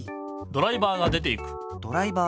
ドライバーが出ていく。